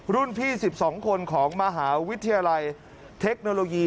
รุ่นพี่๑๒คนของมหาวิทยาลัยเทคโนโลยี